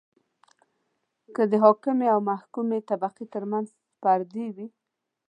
که د حاکمې او محکومې طبقې ترمنځ پردې وي.